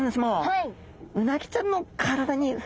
はい。